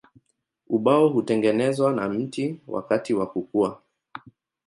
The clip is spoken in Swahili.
Ubao hutengenezwa na mti wakati wa kukua.